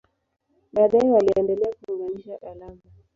Baadaye waliendelea kuunganisha alama.